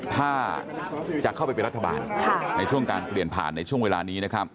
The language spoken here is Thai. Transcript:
ถ้าจะเข้าไปเป็นรัฐบาลในช่วงการเปลี่ยนผ่านในช่วงเวลานี้นะครับ